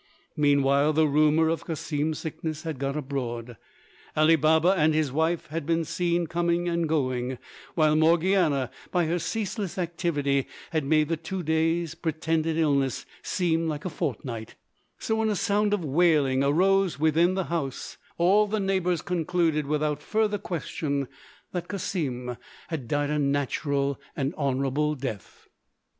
Meanwhile the rumour of Cassim's sickness had got abroad; Ali Baba and his wife had been seen coming and going, while Morgiana by her ceaseless activity had made the two days' pretended illness seem like a fortnight: so when a sound of wailing arose within the house all the neighbours concluded without further question that Cassim had died a natural and honourable death.